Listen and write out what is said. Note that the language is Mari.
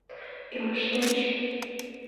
Илыштеш?